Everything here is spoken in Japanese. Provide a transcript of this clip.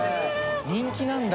人気なんだ。